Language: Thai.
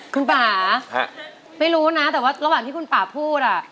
คุณป่าไม่รู้นะแต่ว่าระหว่างที่คุณป่าพูดอ่ะ